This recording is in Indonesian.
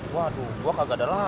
waduh gue kagak ada lagi